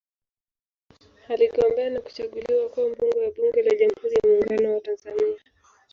Aligombea na kuchaguliwa kuwa Mbunge wa Bunge la Jamhuri ya Muungano wa Tanzania